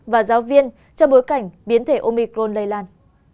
trong bối cảnh biến thể omicron lây lan